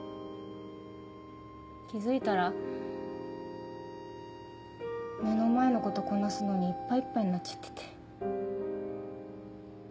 気付いたら目の前のことこなすのにいっぱいいっぱいになっちゃってて。